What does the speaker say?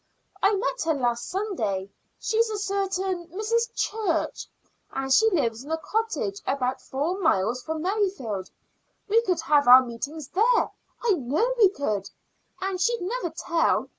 I met her last Sunday. She's a certain Mrs. Church, and she lives in a cottage about four miles from Merrifield. We could have our meetings there I know we could and she'd never tell.